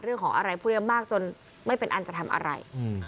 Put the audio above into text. เรื่องของอะไรพวกนี้มากจนไม่เป็นอันจะทำอะไร